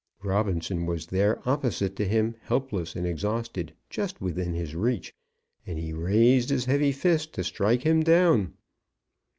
Robinson was there opposite to him, helpless and exhausted, just within his reach; and he raised his heavy fist to strike him down.